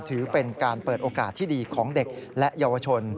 ถือเป็นการเปิดโอกาสที่ดีของเด็กและเยาวชน